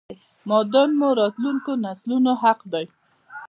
معادن مو راتلونکو نسلونو حق دی!!